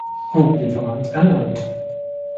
Hoflieferant ernannt.